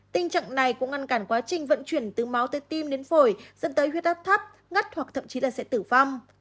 tình trạng này cũng ngăn cản quá trình vận chuyển từ máu tới tim đến phổi dẫn tới huyết áp thấp ngắt hoặc thậm chí là sẽ tử vong